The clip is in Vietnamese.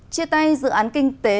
chia tay dự án kinh tế